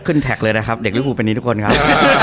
แท็กเลยนะครับเด็กลิฟูเป็นนี้ทุกคนครับ